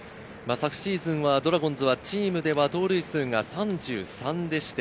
昨シーズンはドラゴンズはチームでは盗塁数が３３でした。